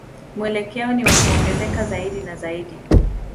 Mwelekeo ni wa kuongezeka zaidi na zaidi.